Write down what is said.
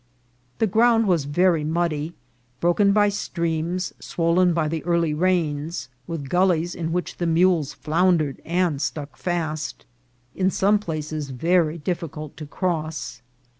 The ground was very muddy, bro ken by streams swollen by the early rains, with gullies in which the mules floundered and stuck fast, in some THE RUINS OF PALENQUE. 291 places very difficult to cross.